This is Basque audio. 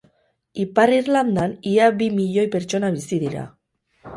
Ipar Irlandan ia bi milioi pertsona bizi dira.